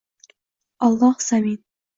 Olloh zamin